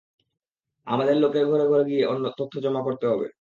আমাদের লোকের ঘরে ঘরে গিয়ে তথ্য জমা করতে হবে।